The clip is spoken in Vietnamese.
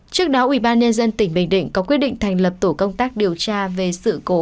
trước đó ubnd tỉnh bình định có quyết định thành lập tổ công tác điều tra về sự cố